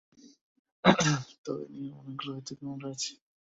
তবে এই নিয়মের অনেকগুলো ব্যতিক্রম রয়েছে।